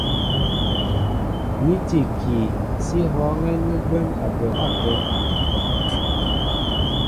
Ní tí ikii, sí hɔ̄ɔ̄ŋɛ́ ni gwɛ̌m a bə ápə̄.